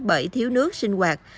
bởi thiếu nước sinh hoạt